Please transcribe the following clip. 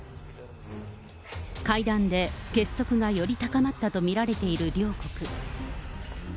会談で結束がより高まったと見られている両国。